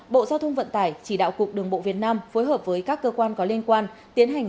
bộ giao thông vận tải chỉ đạo cục đường bộ việt nam phối hợp với các cơ quan có liên quan tiến hành